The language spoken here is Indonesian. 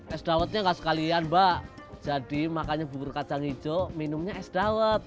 es dawetnya nggak sekalian mbak jadi makannya bubur kacang hijau minumnya es dawet